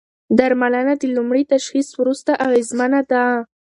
درملنه د لومړي تشخیص وروسته اغېزمنه ده.